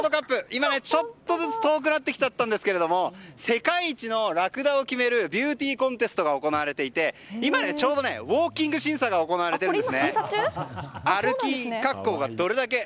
今、ちょっとずつ遠くなってきちゃったんですけど世界一のラクダを決めるビューティーコンテストが行われていて、今ちょうどウォーキング審査が行われているんですね。